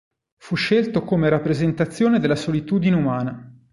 Fu scelto come rappresentazione della solitudine umana.